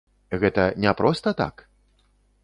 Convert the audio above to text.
Гэта не проста так?